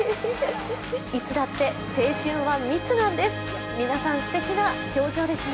いつだって、青春は「密」なんです。